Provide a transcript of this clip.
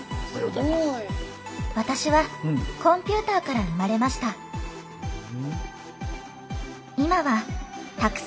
私は、コンピューターから生まれました。